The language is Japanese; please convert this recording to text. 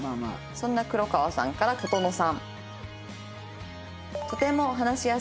そんな黒川さんから琴之さん。